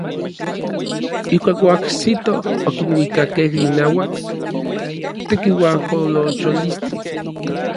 Ijkuak oajsitoj okinuikakej inauak tekiuajolocholistli.